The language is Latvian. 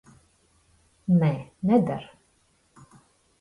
Nē, neder.